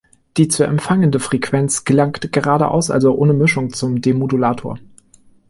Die zu empfangende Frequenz gelangt „geradeaus“, also ohne Mischung zum Demodulator.